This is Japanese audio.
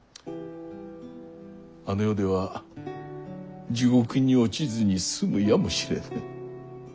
あの世では地獄に落ちずに済むやもしれぬ。